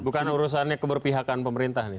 bukan urusannya keberpihakan pemerintah nih